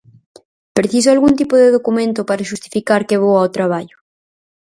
Preciso algún tipo de documento para xustificar que vou ao traballo?